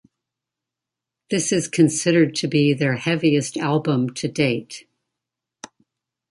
This is considered to be their heaviest album to date.